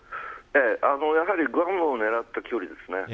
やはりグアムを狙った距離ですね。